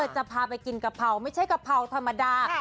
จะพาไปกินกะเพราไม่ใช่กะเพราธรรมดา